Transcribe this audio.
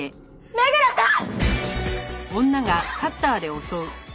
目黒さん！